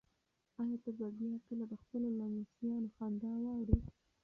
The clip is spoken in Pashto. ایا ته به بیا کله د خپلو لمسیانو خندا واورې؟